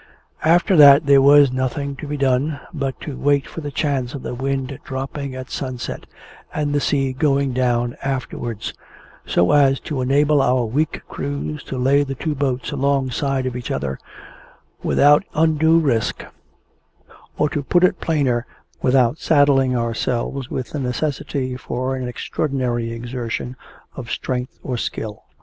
After that, there was nothing to be done, but to wait for the chance of the wind dropping at sunset, and the sea going down afterwards, so as to enable our weak crews to lay the two boats alongside of each other, without undue risk or, to put it plainer, without saddling ourselves with the necessity for any extraordinary exertion of strength or skill.